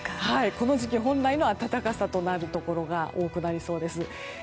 この時期本来の暖かさとなるところが多くなりそうです。